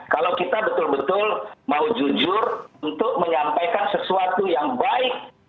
kalau kita betul betul mau jujur untuk menyampaikan sesuatu yang baik